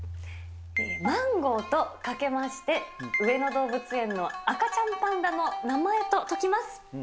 マンゴーとかけまして、上野動物園の赤ちゃんパンダの名前と解きます。